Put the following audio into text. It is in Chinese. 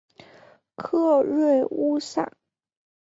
克瑞乌萨。